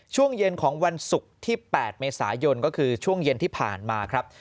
ช่วงเย็นของวันศุกร์ที่๘เมษายนก็คือช่วงเย็นที่ผ่านมาครับ